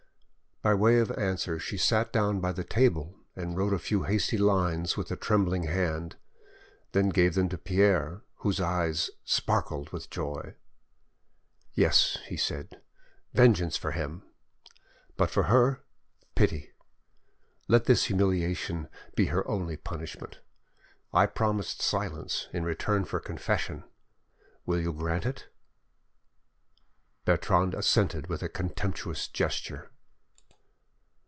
By way of answer she sat down by the table and wrote a few hasty lines with a trembling hand, then gave them to Pierre, whose eyes sparkled with joy. "Yes," he said, "vengeance for him, but for her pity. Let this humiliation be her only punishment. I promised silence in return for confession, will you grant it?" Bertrande assented with a contemptuous gesture.